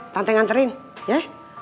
tante nganterin ya